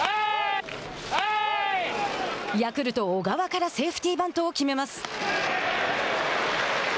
ヤクルト小川からセーフティーバントを決めます。